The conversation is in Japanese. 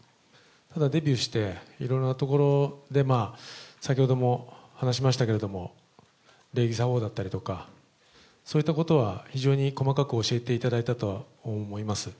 ただ、デビューしていろいろなところでまあ、先ほども話しましたけれども、礼儀作法だったりとか、そういったことは非常に細かく教えていただいたとは思います。